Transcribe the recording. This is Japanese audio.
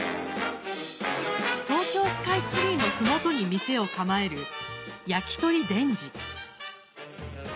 東京スカイツリーのふもとに店を構えるやきとり伝次。